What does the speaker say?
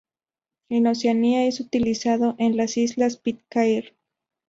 En Oceanía es utilizado en las islas Pitcairn.